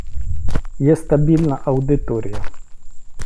Є стабільна аудиторія.